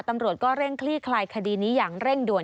ตำรวจก็เร่งคลี่คลายคดีนี้อย่างเร่งด่วน